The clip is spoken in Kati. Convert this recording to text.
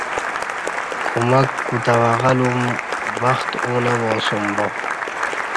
کمک کوتہ وگہ لوم بخت اوں نہ وا اسوم با